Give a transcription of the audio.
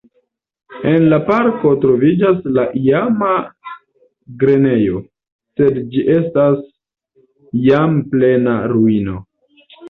En la parko troviĝas la iama grenejo, sed ĝi estas jam plena ruino.